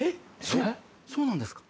そそうなんですか？